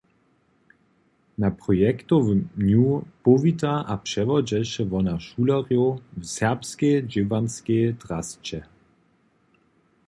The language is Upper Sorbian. Na projektowym dnju powita a přewodźeše wona šulerjow w serbskej dźěłanskej drasće.